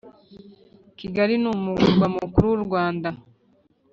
Kigali ni umurwa mukuru wurwanda